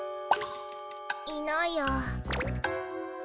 いないや。